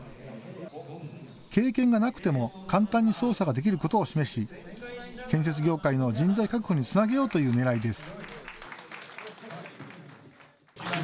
経験がなくても簡単に操作ができることを示し建設業界の人材確保につなげようというねらいです。